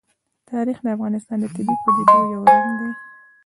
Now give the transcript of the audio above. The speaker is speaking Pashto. تاریخ د افغانستان د طبیعي پدیدو یو رنګ دی.